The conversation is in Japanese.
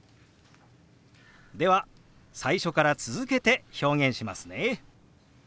では最初から続けて表現しますね。